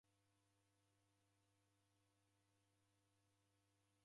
Kotea Mwaluda